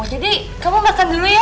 jadi kamu makan dulu ya